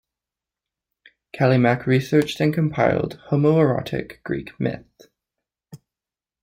Calimach researched and compiled homoerotic Greek myths.